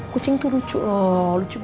kucing tuh lucu loh lucu banget